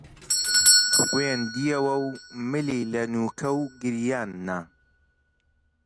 خوێندیەوە و ملی لە نووکە و گریان نا